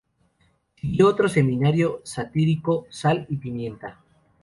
Siguió otro semanario satírico: "Sal y Pimienta".